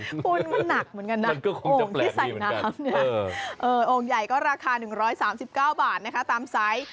คุณมันหนักเหมือนกันนะโอ่งที่ใส่น้ำเนี่ยโอ่งใหญ่ก็ราคา๑๓๙บาทนะคะตามไซส์